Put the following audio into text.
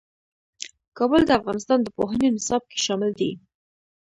کابل د افغانستان د پوهنې نصاب کې شامل دي.